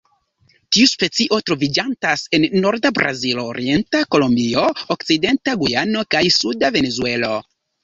Tiu specio troviĝantas en norda Brazilo, orienta Kolombio, okcidenta Gujano, kaj suda Venezuelo.